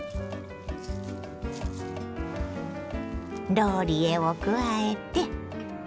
ローリエを加えて。